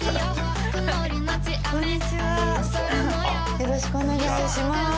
よろしくお願いします。